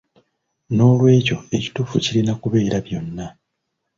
Noolwekyo ekituufu kirina kubeera byonna.